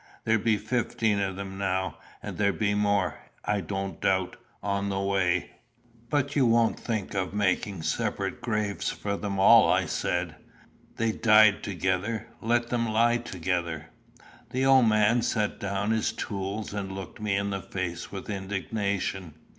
"There be fifteen of them now, and there be more, I don't doubt, on the way." "But you won't think of making separate graves for them all," I said. "They died together: let them lie together." The old man set down his tools, and looked me in the face with indignation.